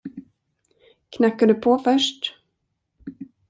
Knackar du på först?